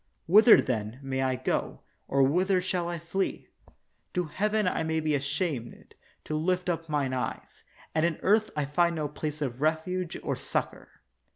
Whither, then, may I go, or whither shall I flee? To heaven I may be ashamed to lift up mine eyes, and in earth I find no place of refuge or succor.